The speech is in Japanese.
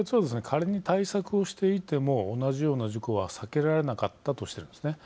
仮に対策をしていても同じような事故は避けられなかったとしてるんですね。